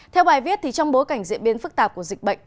theo bài viết trong bối cảnh diễn biến phức tạp của dịch bệnh